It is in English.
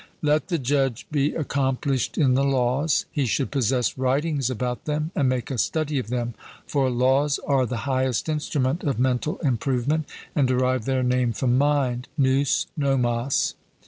Let the judge be accomplished in the laws. He should possess writings about them, and make a study of them; for laws are the highest instrument of mental improvement, and derive their name from mind (nous, nomos).